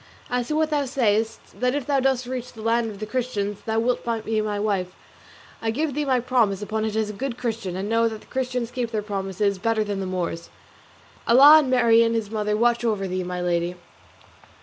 As to what thou sayest, that if thou dost reach the land of the Christians thou wilt be my wife, I give thee my promise upon it as a good Christian; and know that the Christians keep their promises better than the Moors. Allah and Marien his mother watch over thee, my Lady."